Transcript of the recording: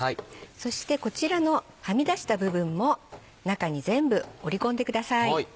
そしてこちらのはみ出した部分も中に全部折り込んでください。